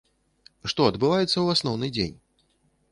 Што адбываецца ў асноўны дзень?